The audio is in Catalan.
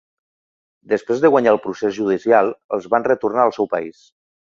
Després de guanyar el procés judicial, els van retornar al seu país.